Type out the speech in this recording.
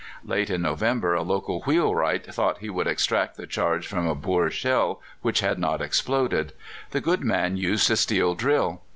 Late in November a local wheelwright thought he would extract the charge from a Boer shell which had not exploded. The good man used a steel drill.